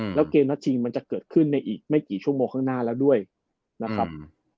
แล้วเกมนัดชิงมันจะเกิดขึ้นในอีกไม่กี่ชั่วโมงข้างหน้าแล้วด้วยนะครับ